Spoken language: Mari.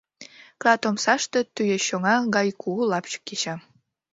Клат омсаште тӱечоҥа гай кугу лапчык кеча.